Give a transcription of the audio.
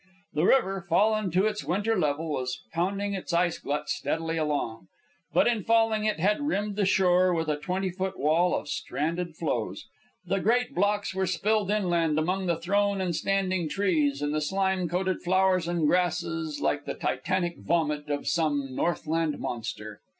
The river, fallen to its winter level, was pounding its ice glut steadily along. But in falling it had rimmed the shore with a twenty foot wall of stranded floes. The great blocks were spilled inland among the thrown and standing trees and the slime coated flowers and grasses like the titanic vomit of some Northland monster.